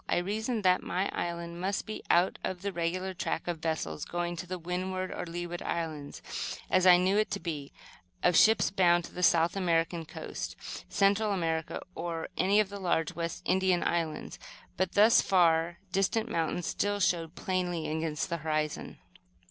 I reasoned that my island must be out of the regular track of vessels going to the Windward or Leeward Islands, as I knew it to be, of ships bound to the South American coast, Central America or any of the large West India Islands. But the far distant mountains still showed plainly against the horizon.